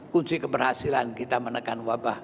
kunci keberhasilan kita menekan wabah